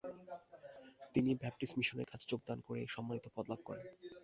তিনি ব্যাপটিস্ট মিশনের কাজে যোগদান করে সম্মানিত পদ লাভ করেন।